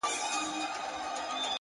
د ځان وژني د رسۍ خریدارۍ ته ولاړم ـ